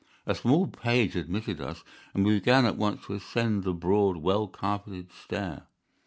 A small page admitted us, and we began at once to ascend the broad, well carpeted stair.